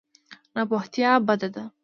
ناپوهتیا بده ده.